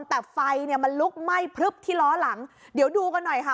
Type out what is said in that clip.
แต่ไฟเนี่ยมันลุกไหม้พลึบที่ล้อหลังเดี๋ยวดูกันหน่อยค่ะ